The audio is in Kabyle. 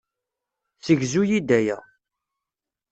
Segzu-yi-d aya.